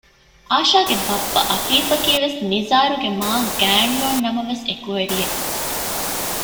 އާޝާގެ ބައްޕަ އަފީފަކީވެސް ނިޒާރުގެ މާގާތް ނޫންނަމަވެސް އެކުވެރިއެއް